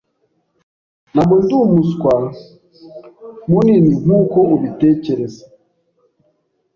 Ntabwo ndi umuswa munini nkuko ubitekereza.